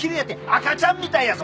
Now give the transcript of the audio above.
赤ちゃんみたいやぞ。